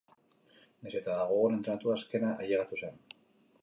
Nahiz eta gogor entrenatu azkena ailegatu zen.